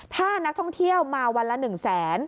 ถ้านักท่องเที่ยวมาวันละ๑แสน